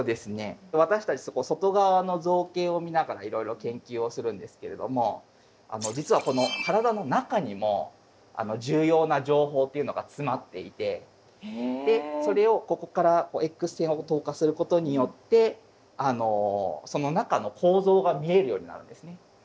私たち外側の造形を見ながらいろいろ研究をするんですけれども実はこの体の中にも重要な情報っていうのが詰まっていてそれをここからＸ線を透過することによってその中の構造が見えるようになるんですね。